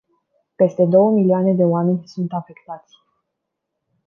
Peste două milioane de oameni sunt afectați.